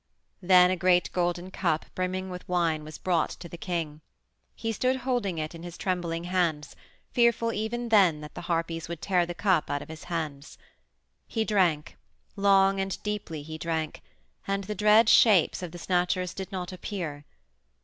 Then a great golden cup brimming with wine was brought to the king. He stood holding it in his trembling hands, fearful even then that the Harpies would tear the cup out of his hands. He drank long and deeply he drank and the dread shapes of the Snatchers did not appear.